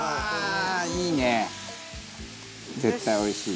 「絶対おいしい。